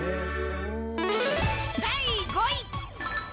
第５位。